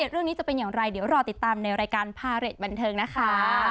เรื่องนี้จะเป็นอย่างไรเดี๋ยวรอติดตามในรายการพาเรทบันเทิงนะคะ